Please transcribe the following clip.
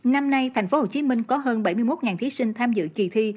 năm nay tp hcm có hơn bảy mươi một thí sinh tham dự kỳ thi